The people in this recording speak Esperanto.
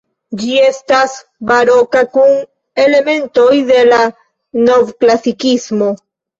Ĝi estas baroka kun elementoj de la novklasikismo.